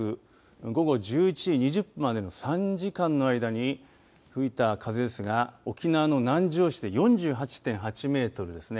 午後１１時２０分までの３時間の間に吹いた風ですが沖縄の南城市で４８．８メートルですね